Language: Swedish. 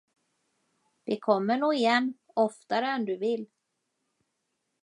Vi kommer nog igen, oftare än du vill!